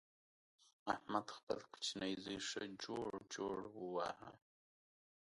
احمد خپل کوچنۍ زوی ښه جوړ جوړ وواهه.